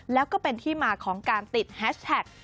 แล้วก็เป็นที่มาของการติดแฮชแท็ก